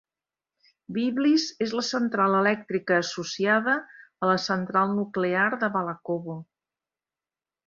Biblis és la central elèctrica associada a la central nuclear de Balakovo.